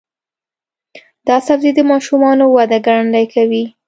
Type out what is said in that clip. دا سبزی د ماشومانو وده ګړندۍ کوي.